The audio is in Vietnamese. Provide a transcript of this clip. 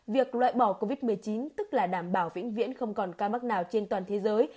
việc loại bỏ covid một mươi chín tức là đảm bảo vĩnh viễn không còn ca mắc nào trên toàn thế giới